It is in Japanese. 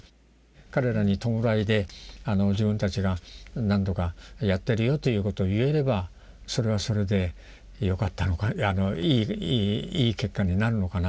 彼らに弔いで自分たちが何とかやってるよということを言えればそれはそれでよかったのかいい結果になるのかなという。